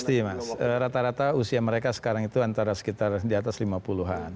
pasti mas rata rata usia mereka sekarang itu antara sekitar di atas lima puluh an